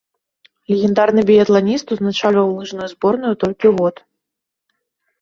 Легендарны біятланіст узначальваў лыжную зборную толькі год.